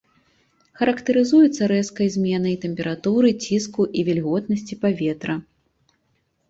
Характарызуецца рэзкай зменай тэмпературы, ціску і вільготнасці паветра.